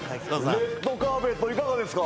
レッドカーペットいかがですか？